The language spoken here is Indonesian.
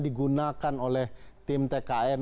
digunakan oleh tim tki